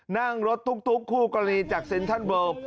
นั่งรถตุ๊กคู่กรณีจากเซ็นทรัลเวิล